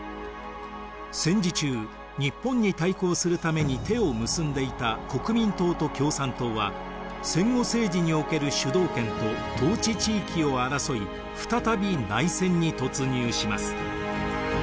戦時中日本に対抗するために手を結んでいた国民党と共産党は戦後政治における主導権と統治地域を争い再び内戦に突入します。